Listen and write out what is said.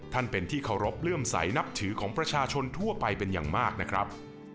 เป็นที่เคารพเลื่อมใสนับถือของประชาชนทั่วไปเป็นอย่างมากนะครับ